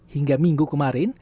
hingga minggu kemarin